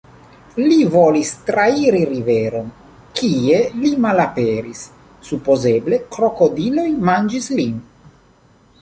Li volis trairi riveron, kie li malaperis, supozeble krokodiloj manĝis lin.